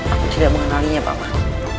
aku tidak mengenalinya paman